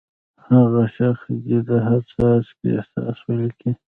هغه شخص دې د هر څاڅکي احساس ولیکي.